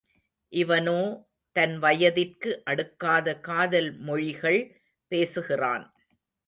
இவனோ தன் வயதிற்கு அடுக்காத காதல் மொழிகள் பேசுகிறான்.